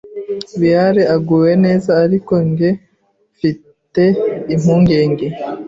Wiare uguwe neza ariko nge mfite impungenge